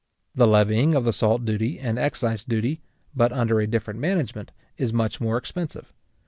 } The levying of the salt duty, and excise duty, but under a different management, is much more expensive.